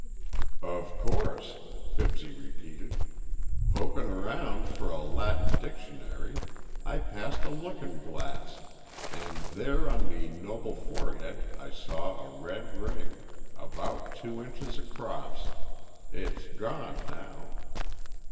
"Of course," Fibsy repeated. "Pokin' around for a Latin Dictionary, I passed a lookin' glass, and there on me noble forehead I saw a red ring, about two inches across. It's gone now."